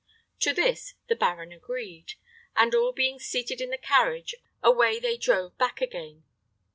To this the baron agreed, and, all being seated in the carriage, away they drove back again.